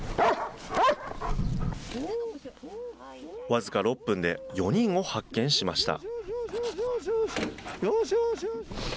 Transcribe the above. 僅か６分で４人を発見しました。